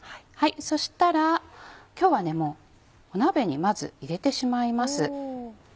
そしたら今日は鍋にまず入れてしまいます。